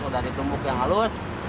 udah ditumbuk yang halus